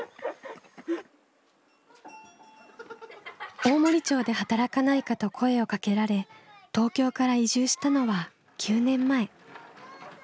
大森町で働かないかと声をかけられ東京から移住したのは９年前。